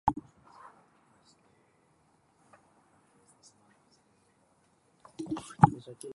Ibaiertzean desagertutakoaren txakurrak, zapatilak eta zenbait arropa aurkitu dituzte.